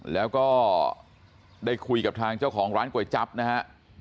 แล้วก็ได้คุยกับทางเจ้าของร้านก๋วยจับนะฮะ